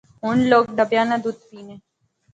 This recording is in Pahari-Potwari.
ہُن لوک ڈبیاں نا دُد پینے